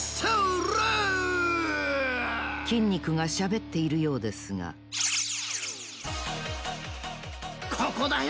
筋肉がしゃべっているようですがここだよ